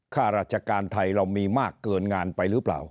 ข้าราชการไทยเรามีมากเกินงานไปหรือเปล่า